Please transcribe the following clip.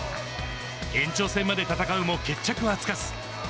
延長戦まで戦うも決着はつかず。